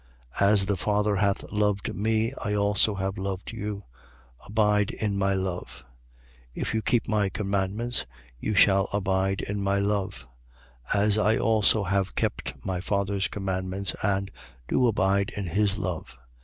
15:9. As the Father hath loved me, I also have loved you. Abide in my love. 15:10. If you keep my commandments, you shall abide in my love: as I also have kept my Father's commandments and do abide in his love.